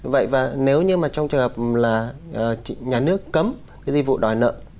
vậy và nếu như trong trường hợp là nhà nước cấm dịch vụ đòi nợ